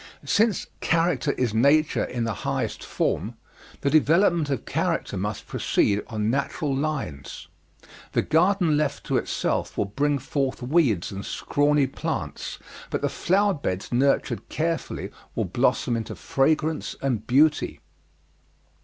Since "character is nature in the highest form," the development of character must proceed on natural lines. The garden left to itself will bring forth weeds and scrawny plants, but the flower beds nurtured carefully will blossom into fragrance and beauty.